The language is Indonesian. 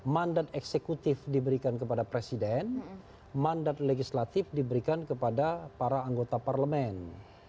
mandat eksekutif diberikan kepada presiden mandat legislatif diberikan kepada para anggota parlemen